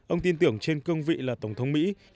ông tin tưởng trên cương vị là tổng thống mỹ